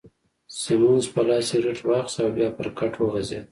سیمونز په لاس کي سګرېټ واخیست او بیا پر کټ وغځېد.